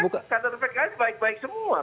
kan kata repat baik baik semua